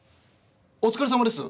お疲れさまです。